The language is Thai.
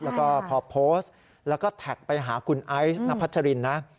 แล้วก็พอโพสต์แล้วก็แท็กไปหาคุณไอซ์นพัชรินนะ